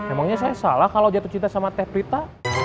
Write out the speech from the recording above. emangnya saya salah kalau jatuh cinta sama teh prita